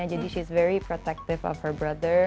jadi dia sangat melindungi adiknya